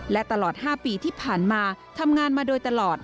และตลอด๕ปีที่ผ่านมาทำงานมาโดยตลอด